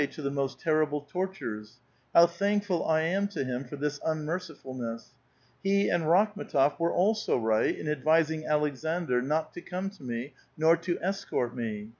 to the most terrible tortures : how thankful I am to him for this un mercifulness ! He and Rakhm6tof were also right in advising Aleksandr not to come to me, nor to escort me.